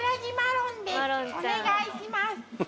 お願いします。